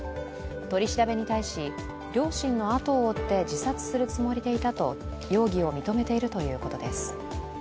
取り調べに対し、両親のあとを追って自殺するつもりでいたと容疑を認めているということです。